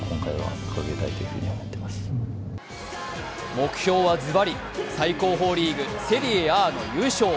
目標はズバリ、最高峰リーグセリエＡの優勝。